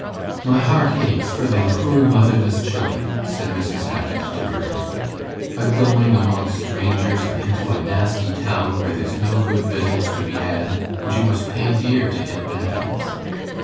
'My heart aches for them poor motherless children,' said Mrs. Hackit to her husband, 'a going among strangers, and into a nasty town, where there's no good victuals to be had, and you must pay dear to get bad uns.